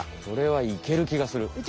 これはいけるきがする。